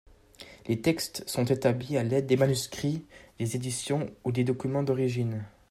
Les textes sont établis à l'aide des manuscrits, des éditions ou des documents d'origine.